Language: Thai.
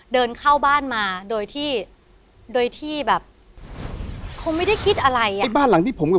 เดินเข้าบ้านมาโดยที่โดยที่แบบคงไม่ได้คิดอะไรอ่ะที่บ้านหลังที่ผมกับ